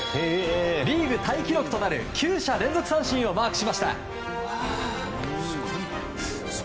リーグタイ記録となる９者連続三振をマークしました。